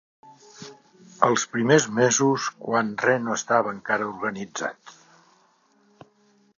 Els primers mesos, quan res no estava encara organitzat.